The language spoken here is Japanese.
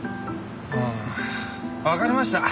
ああわかりました。